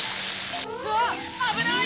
うわっあぶない！